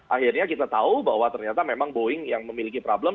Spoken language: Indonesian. akhirnya kita tahu bahwa ternyata memang boeing yang memiliki problem